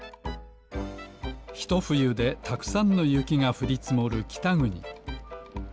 ひとふゆでたくさんのゆきがふりつもるきたぐに。